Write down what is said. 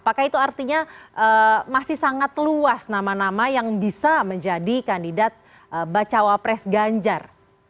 apakah itu artinya masih sangat luas nama nama yang bisa menjadi kandidat bacawa pres ganjar